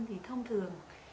thì thông thường